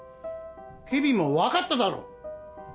ケビンもわかっただろ？